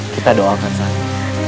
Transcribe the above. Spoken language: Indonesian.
kita doakan saja